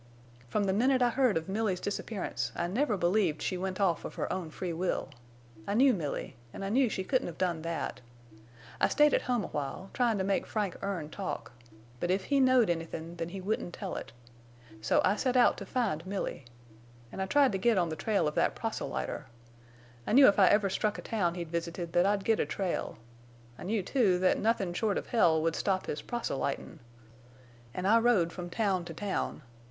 "From the minute I heard of Milly's disappearance I never believed she went off of her own free will. I knew Milly, an' I knew she couldn't have done that. I stayed at home awhile, tryin' to make Frank Erne talk. But if he knowed anythin' then he wouldn't tell it. So I set out to find Milly. An' I tried to get on the trail of that proselyter. I knew if I ever struck a town he'd visited that I'd get a trail. I knew, too, that nothin' short of hell would stop his proselytin'. An' I rode from town to town.